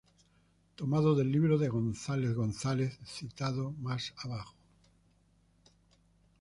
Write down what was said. Tomado del libro de González González citado más abajo.